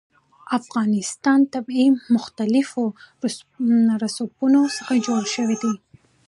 د افغانستان طبیعت له مختلفو رسوبونو څخه جوړ شوی دی.